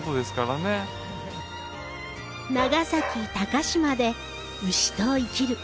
長崎鷹島で牛と生きる。